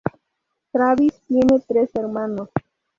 Travis tiene tres hermanos.